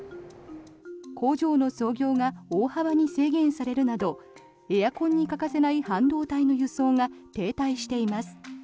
工場の操業が大幅に制限されるなどエアコンに欠かせない半導体の輸送が停滞しています。